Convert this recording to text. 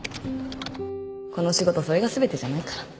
この仕事それが全てじゃないから